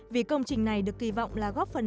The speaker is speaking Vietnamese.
vì công trình này được kỳ vọng là góp phần